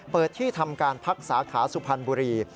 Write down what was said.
ที่ทำการพักสาขาสุพรรณบุรี